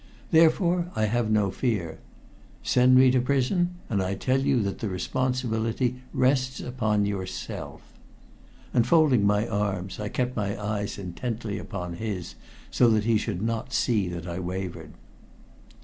"Therefore I have no fear. Send me to prison, and I tell you that the responsibility rests upon yourself." And folding my arms I kept my eyes intently upon his, so that he should not see that I wavered.